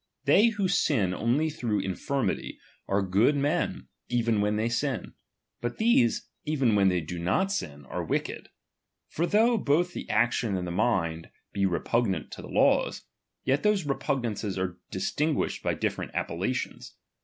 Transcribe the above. They who sin only through itifirmity, are good men even when they sin ; but t bese, even when they do not sin, are wicked. For though both the action and the mind be re pTignant to the laws, yet those repugnances are distinguished by different appellations.